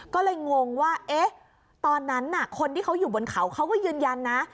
ก็เลยงงว่าตอนนั้นคนที่เขาอยู่บนเขาเขาก็ยืนยันนะ